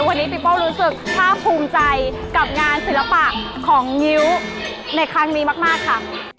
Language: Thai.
วันนี้พี่โป้รู้สึกภาคภูมิใจกับงานศิลปะของงิ้วในครั้งนี้มากค่ะ